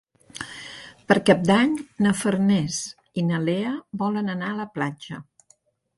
Per Cap d'Any na Farners i na Lea volen anar a la platja.